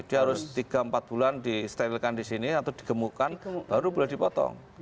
dia harus tiga empat bulan disterilkan di sini atau digemukkan baru boleh dipotong